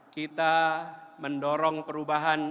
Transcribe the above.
kita mendorong perubahan